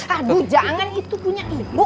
aduh jangan itu punya ilmu